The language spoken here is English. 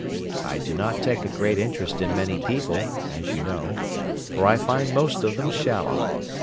I do not take a great interest in many people, as you know, for I find most of them shallow.